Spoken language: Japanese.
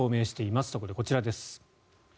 そこで、こちらです。